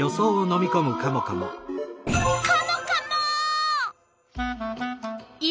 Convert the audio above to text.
カモカモッ！